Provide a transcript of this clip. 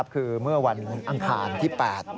คือเมื่อวันอังคารที่๘